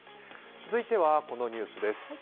続いては、このニュースです。